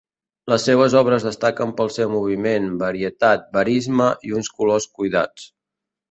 Les seues obres destaquen pel seu moviment, varietat, verisme, i uns colors cuidats.